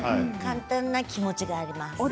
簡単な気持ちがあります。